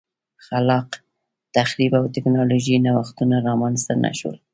خلاق تخریب او ټکنالوژیکي نوښتونه رامنځته نه شول